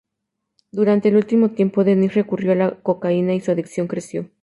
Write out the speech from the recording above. Durante el último tiempo Dennis recurrió a la cocaína, y su adicción creció.